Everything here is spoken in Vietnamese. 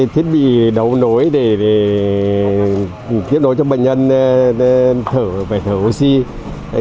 thiết bị đấu nối để tiếp nối cho bệnh nhân thở oxy